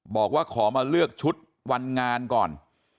บอกว่าขอมาเลือกชุดวันงานก่อน